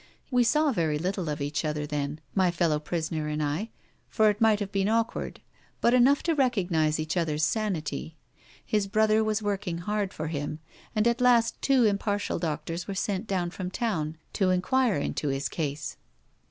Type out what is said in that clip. We saw very little of each other then, my fellow prisoner and I, for it might have been awkward, but enough to recognise each other's sanity. His brother was working hard for him, and at last two impartial doctors were sent down from town to enquire into his case.